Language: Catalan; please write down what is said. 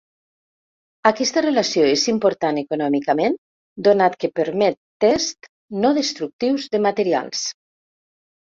Aquesta relació és important econòmicament donat que permet tests no destructius de materials.